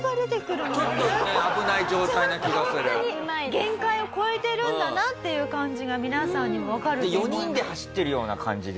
限界を超えてるんだなっていう感じが皆さんにもわかると思います。